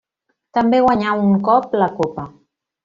També guanyà un cop la Copa.